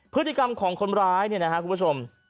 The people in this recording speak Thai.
พฤติกรรมของคนร้ายเนี่ยนะครับคุณผู้ชม